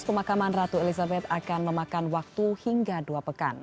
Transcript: pemakaman ratu elizabeth akan memakan waktu hingga dua pekan